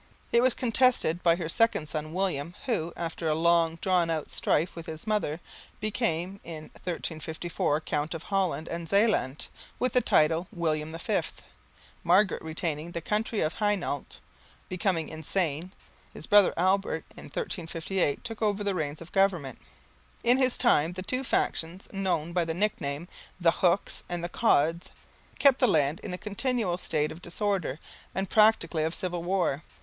It was contested by her second son William, who, after a long drawn out strife with his mother, became, in 1354, Count of Holland and Zeeland with the title William V, Margaret retaining the county of Hainault. Becoming insane, his brother Albert in 1358 took over the reins of government. In his time the two factions, known by the nicknames of "the Hooks" and "the Cods," kept the land in a continual state of disorder and practically of civil war.